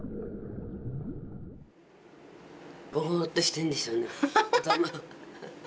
ボーッとしてるんでしょうね頭。